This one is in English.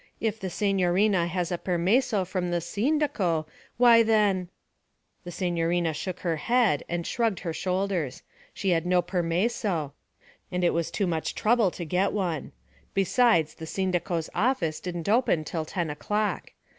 If the signorina had a permesso from the sindaco, why then ' The signorina shook her head and shrugged her shoulders. She had no permesso and it was too much trouble to get one. Besides, the sindaco's office didn't open till ten o'clock.